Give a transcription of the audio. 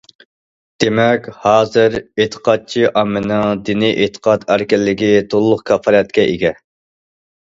دېمەك، ھازىر ئېتىقادچى ئاممىنىڭ دىنىي ئېتىقاد ئەركىنلىكى تولۇق كاپالەتكە ئىگە.